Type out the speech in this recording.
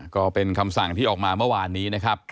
ก็เป็นคำสั่งที่ออกมาเมื่อวานนี้นะครับ